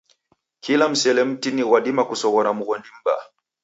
Kila msele mtini ghwadima kusoghora mghondi mbaa.